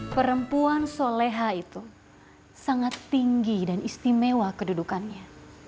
perempuan soleha itu sangat tinggi dan istimewa kedudukannya